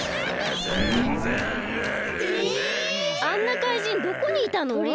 あんなかいじんどこにいたの？